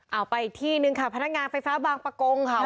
เอาไปอีกที่หนึ่งค่ะพนักงานไฟฟ้าบางประกงค่ะ